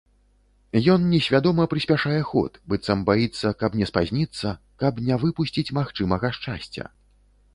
Ён несвядома прыспяшае ход, быццам баіцца, каб не спазніцца, каб не выпусціць магчымага шчасця.